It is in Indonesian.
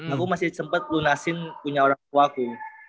aku masih sempat lunasin punya orang tua aku